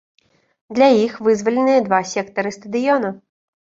Для іх вызваленыя два сектары стадыёна.